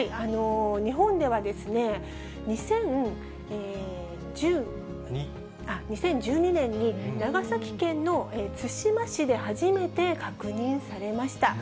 日本では２０１２年に長崎県の対馬市で初めて確認されました。